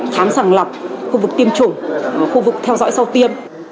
khám sẵn lập khu vực tiêm chủng và khu vực theo dõi sau tiêm